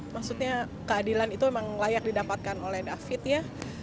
maksudnya keadilan itu memang layak didapatkan oleh david ya